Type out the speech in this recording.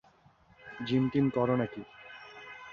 Gym-team করো নাকি?